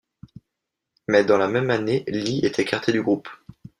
Mais dans la même année Lee est écarté du groupe.